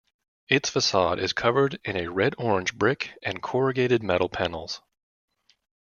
Its facade is covered in a red-orange brick and corrugated metal panels.